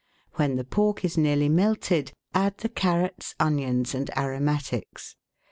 When the pork is nearly melted, add the carrots, onions, and aromatics.